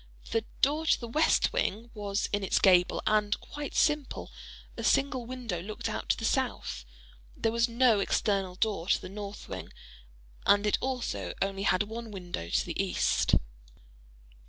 The door to the west wing was in its gable, and quite simple—a single window looked out to the south. There was no external door to the north wing, and it also had only one window to the east.